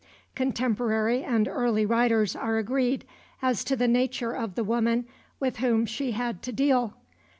Contemporary and early writers are agreed as to the nature of the woman with whom she had to deal.